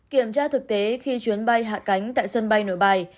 kiểm tra thực tế khi chuyến bay hạ cánh tại sân bay nội bài